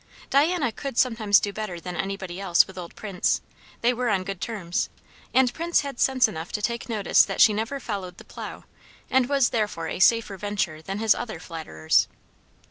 Diana could sometimes do better than anybody else with old Prince; they were on good terms; and Prince had sense enough to take notice that she never followed the plough, and was therefore a safer venture than his other flatterers.